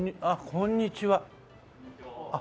こんにちは。